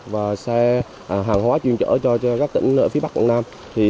và xe hàng hóa chuyên chở cho các tỉnh phía bắc quảng nam